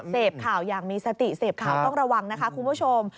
เสพข่าวอย่างมีสติเสพข่าวต้องระวังนะคะคุณผู้ชม